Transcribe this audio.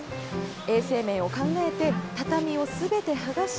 衛生面を考えて畳をすべて剥がし